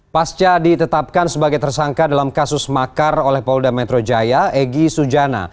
pasca ditetapkan sebagai tersangka dalam kasus makar oleh polda metro jaya egy sujana